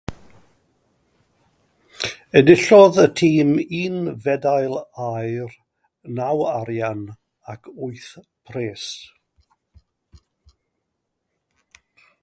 Enillodd y tîm un fedal aur, naw arian ac wyth pres.